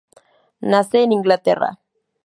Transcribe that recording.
Nace en Inglaterra.